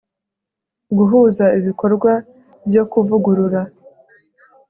guhuza ibikorwa byo kuvugurura